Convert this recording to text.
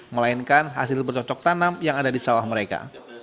melainkan hasil bercocok tanam yang ada di sawah mereka